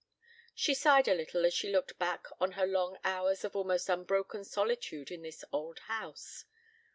She sighed a little as she looked back on her long hours of almost unbroken solitude in this old house.